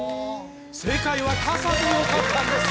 正解は「傘」でよかったんです